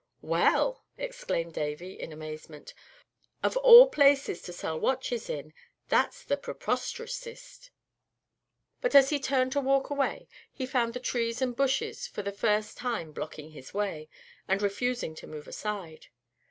"Well!" exclaimed Davy, in amazement. "Of all places to sell watches in that's the preposterest!" but as he turned to walk away he found the trees and bushes for the first time blocking his way, and refusing to move aside.